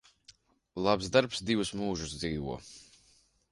Labs darbs divus mūžus dzīvo.